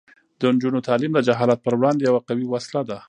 د نجونو تعلیم د جهالت پر وړاندې یوه قوي وسله ده.